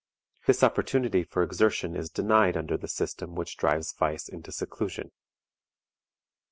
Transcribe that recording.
This opportunity for exertion is denied under the system which drives vice into seclusion.